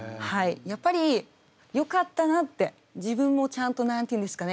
やっぱりよかったなって自分もちゃんと何て言うんですかね